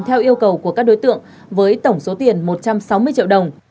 theo yêu cầu của các đối tượng với tổng số tiền một trăm sáu mươi triệu đồng